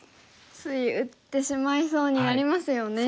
つい打ってしまいそうになりますよね。